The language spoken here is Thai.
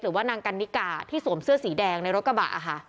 หรือว่านางกันนิกาที่สวมเสื้อสีแดงในรถกระบะค่ะ